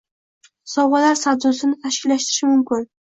Sovg‘alar savdosini tashkillashtirish muhim.